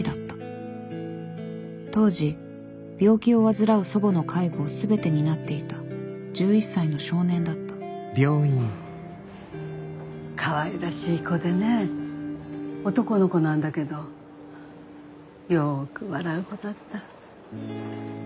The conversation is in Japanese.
当時病気を患う祖母の介護をすべて担っていた１１歳の少年だったかわいらしい子でね男の子なんだけどよく笑う子だった。